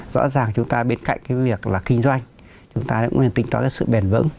rõ ràng chúng ta bên cạnh cái việc là kinh doanh chúng ta cũng nên tính toán đến sự bền vững